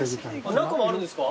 中もあるんですか？